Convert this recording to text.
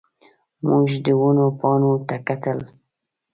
موږ د ونو پاڼو ته کتل.